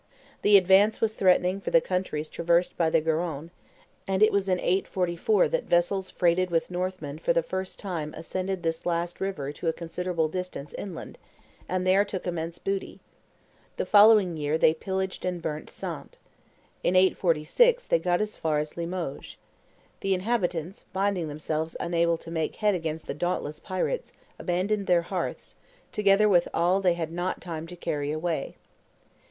The advance was threatening for the countries traversed by the Garonne; and it was in 844 that vessels freighted with Northmen for the first time ascended this last river to a considerable distance inland, and there took immense booty. ... The following year they pillaged and burnt Saintes. In 846 they got as far as Limoges. The inhabitants, finding themselves unable to make head against the dauntless pirates, abandoned their hearths, together with all they had not time to carry away.